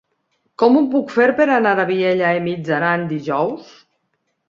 Com ho puc fer per anar a Vielha e Mijaran dijous?